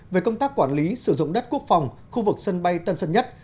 về công tác quản lý sử dụng đất quốc phòng khu vực sân bay tân sơn nhất